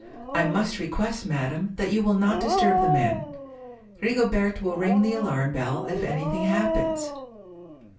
I must request, madam, that you will not disturb the man. Rigobert will ring the alarm bell if anything happens."